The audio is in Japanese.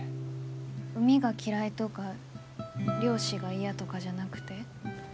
海が嫌いとか漁師が嫌とかじゃなくて？